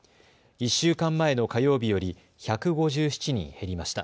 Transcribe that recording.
１週間前の火曜日より１５７人減りました。